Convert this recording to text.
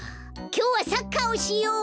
きょうはサッカーをしよう！